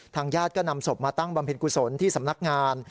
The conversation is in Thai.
ญาติก็นำศพมาตั้งบำเพ็ญกุศลที่สำนักงาน